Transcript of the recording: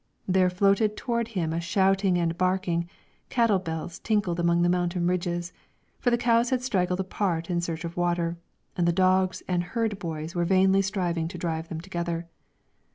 There floated toward him a shouting and a barking, cattle bells tinkled among the mountain ridges; for the cows had straggled apart in search of water, and the dogs and herd boys were vainly striving to drive them together.